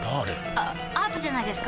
あアートじゃないですか？